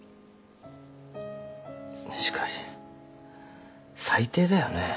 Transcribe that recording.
しかし最低だよね。